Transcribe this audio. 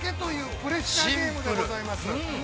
プレッシャーゲームでございます。